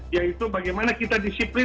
yaitu bagaimana kita disiplin